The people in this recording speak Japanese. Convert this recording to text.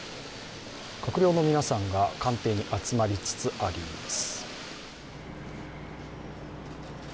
閣僚の皆さんが官邸に集まりつつあります。